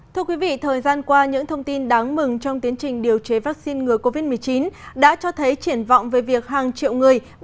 thưa quý vị thời gian qua những thông tin đáng mừng trong tiến trình điều chế vaccine ngừa covid một mươi chín đã cho thấy triển vọng về việc hàng triệu người